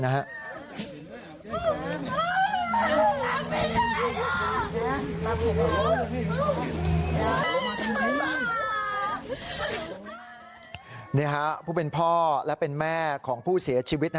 นี่ฮะผู้เป็นพ่อและเป็นแม่ของผู้เสียชีวิต